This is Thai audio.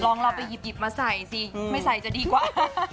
เราไปหยิบมาใส่สิไม่ใส่จะดีกว่า